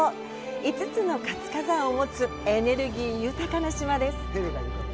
５つの活火山を持つエネルギー豊かな島です。